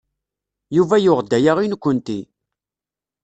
Yuba yuɣ-d aya i nekkenti.